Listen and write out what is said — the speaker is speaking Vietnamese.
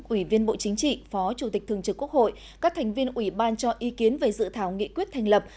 ủy viên bộ chính trị phó chủ tịch thường trực quốc hội các thành viên ủy ban cho ý kiến về dự thảo nghị quyết thành lập